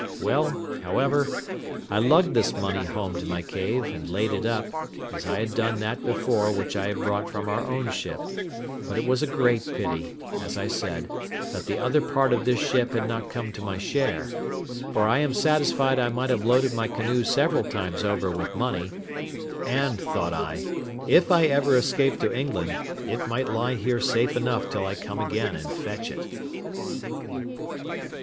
Well, however, I lugged this money home to my cave, and laid it up, as I had done that before which I had brought from our own ship; but it was a great pity, as I said, that the other part of this ship had not come to my share: for I am satisfied I might have loaded my canoe several times over with money; and, thought I, if I ever escape to England, it might lie here safe enough till I come again and fetch it.